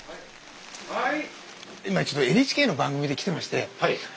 ・はい。